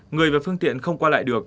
người và phương tiện không qua lại được